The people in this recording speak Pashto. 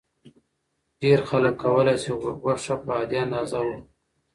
ډېر خلک کولی شي غوښه په عادي اندازه وخوري.